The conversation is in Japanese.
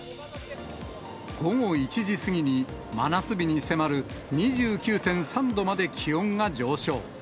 午後１時過ぎに真夏日に迫る２９．３度まで気温が上昇。